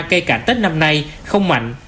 cây cảnh tết năm nay không mạnh